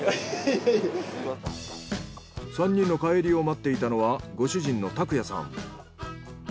３人の帰りを待っていたのはご主人の卓也さん。